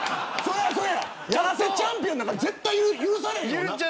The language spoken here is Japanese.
やらせチャンピオンなんか許されへんよな。